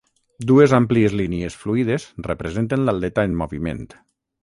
Dues àmplies línies fluides representen l'atleta en moviment.